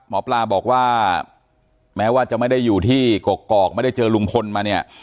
หมอปลาบอกว่าแม้ว่าจะไม่ได้อยู่ที่กกอกไม่ได้เจอลุงพลมาเนี่ย